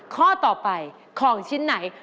ข้อต่อไปของชิ้นไหน